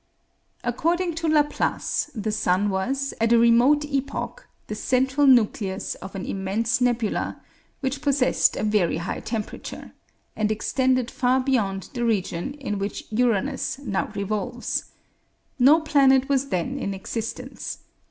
According to Laplace, the sun was, at a remote epoch, the central nucleus of an immense nebula, which possessed a very high temperature, and extended far beyond the region in which Uranus now revolves. No planet was then in existence.